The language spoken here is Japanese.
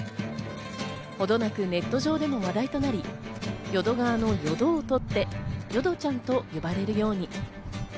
程なくネット上でも話題となり、淀川の「ヨド」をとってヨドちゃんと呼ばれるように。